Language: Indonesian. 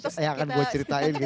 saya akan buat ceritain gitu